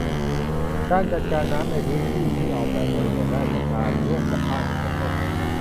การจัดการน้ำในพื้นที่ ที่ออกแบบโดยหน่วยราชการ ร่วมกับภาคเอกชน